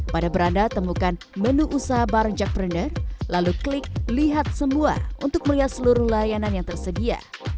pada beranda temukan menu usaha bareng jackpreneur lalu klik lihat semua untuk melihat seluruh layanan yang tersedia